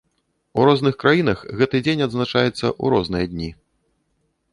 У розных краінах гэты дзень адзначаецца ў розныя дні.